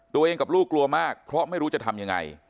กับลูกกลัวมากเพราะไม่รู้จะทำยังไง